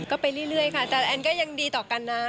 ก็ไปเรื่อยค่ะแต่แอนก็ยังดีต่อกันนะ